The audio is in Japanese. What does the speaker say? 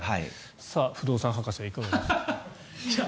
さあ、不動産博士いかがですか？